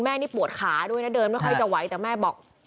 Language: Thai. ไม่ค่อยจะไหวแต่แม่บอก